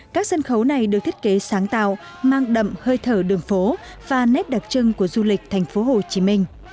các sân khấu này được thiết kế sáng tạo mang đậm hơi thở đường phố và nét đặc trưng của du lịch tp hcm